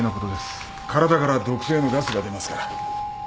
体から毒性のガスが出ますから。